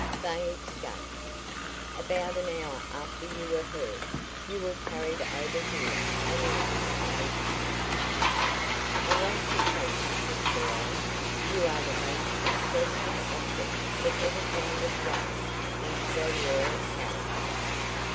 They escaped. About an hour after you were hurt you were carried over here and laid on this couch. I want to tell you, Mr. Lorry, you are the most interesting object that ever found its way into a royal household.